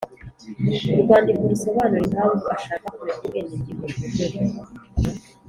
urwandiko rusobanura impamvu ashaka kureka ubwenegihugu